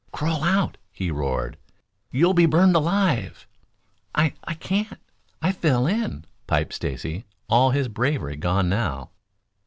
"Crawl out!" he roared. "You'll be burned alive!" "I I can't. I fell in," piped Stacy, all his bravery gone now.